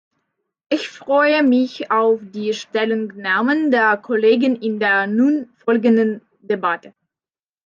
Ich freue mich auf die Stellungnahmen der Kollegen in der nun folgenden Debatte.